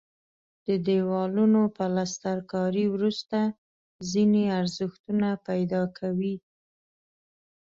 د دیوالونو پلستر کاري وروسته ځینې ارزښتونه پیدا کوي.